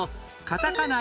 カタカナ。